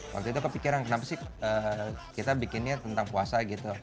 waktu itu kepikiran kenapa sih kita bikinnya tentang puasa gitu